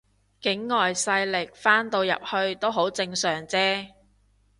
境外勢力翻到入去都好正常啫